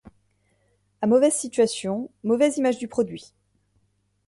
À mauvaise situation, mauvaise image du produit.